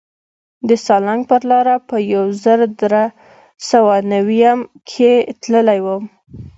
د سالنګ پر لاره په یو زر در سوه نویم کې تللی وم.